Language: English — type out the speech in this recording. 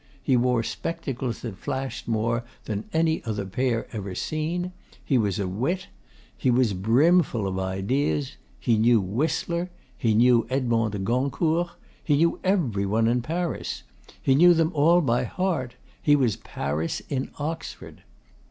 He wore spectacles that flashed more than any other pair ever seen. He was a wit. He was brimful of ideas. He knew Whistler. He knew Edmond de Goncourt. He knew every one in Paris. He knew them all by heart. He was Paris in Oxford.